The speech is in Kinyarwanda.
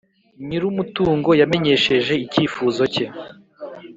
nyir umutungo yamenyesheje icyifuzo cye